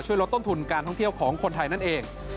ลดต้นทุนการท่องเที่ยวของคนไทยนั่นเอง